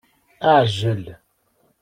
Aɛjel